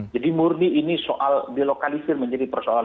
jadi murdi ini soal dilokalisir menjadi persoalan